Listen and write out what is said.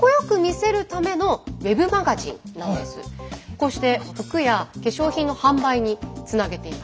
こうして服や化粧品の販売につなげています。